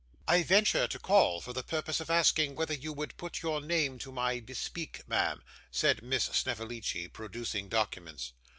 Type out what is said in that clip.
'I venture to call, for the purpose of asking whether you would put your name to my bespeak, ma'am,' said Miss Snevellicci, producing documents.